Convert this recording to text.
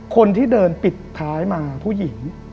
คนที่เดินปิดท้ายมาผู้หญิง